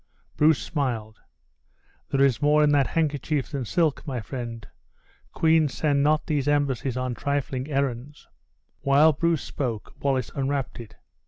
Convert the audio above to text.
Bruce smiled. "There is more in that handkerchief than silk, my friend! Queens send not these embassies on trifling errands." While Bruce spoke, Wallace unwrapped it.